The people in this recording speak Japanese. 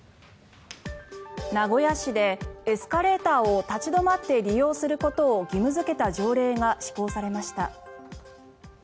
名古屋市でエスカレーターを立ち止まって利用することを義務付けた条例が施行されました。